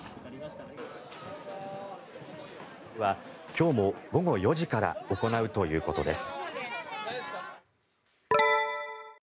今日も午後４時から行うということです。